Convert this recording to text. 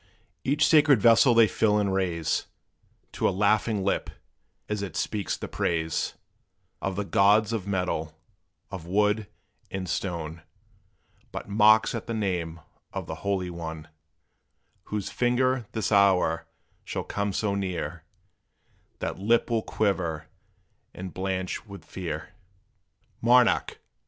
Each sacred vessel they fill and raise To a laughing lip, as it speaks the praise Of the gods of metal, of wood and stone, But mocks at the name of the Holy One, Whose finger this hour shall come so near: That lip will quiver and blanch with fear. Monarch!